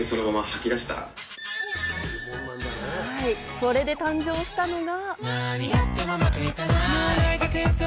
それで誕生したのが。